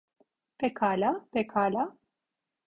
Pekala, pekala.